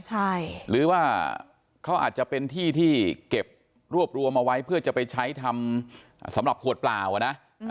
ใช่หรือว่าเขาอาจจะเป็นที่ที่เก็บรวบรวมเอาไว้เพื่อจะไปใช้ทำสำหรับขวดเปล่าอ่ะนะ